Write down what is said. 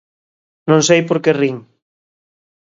Non sei porque rin.